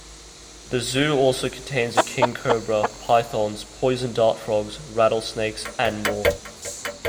The zoo also contains a king cobra, pythons, poison dart frogs, rattlesnakes, and more.